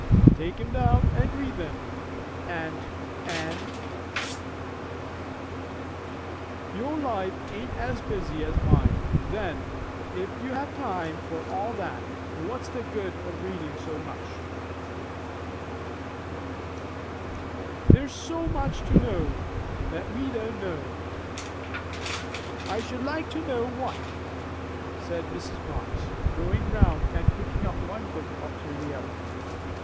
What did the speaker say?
"Take 'em down and read them, aunt Anne." "Your life ain't as busy as mine, then, if you have time for all that. What's the good o' readin' so much?" "There's so much to know, that we don't know!" "I should like to know what," said Mrs. Marx, going round and picking up one book after another.